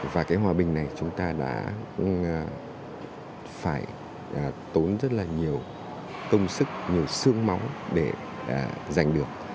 và cái hòa bình này chúng ta đã phải tốn rất là nhiều công sức nhiều sương máu để giành được